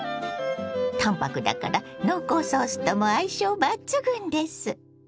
淡泊だから濃厚ソースとも相性抜群です！